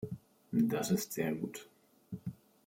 Das ist sehr gut!